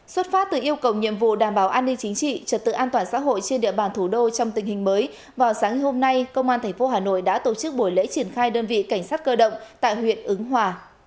xuất phát từ yêu cầu nhiệm vụ đảm bảo an ninh chính trị trật tự an toàn xã hội trên địa bàn thủ đô trong tình hình mới vào sáng ngày hôm nay công an tp hà nội đã tổ chức buổi lễ triển khai đơn vị cảnh sát cơ động tại huyện ứng hòa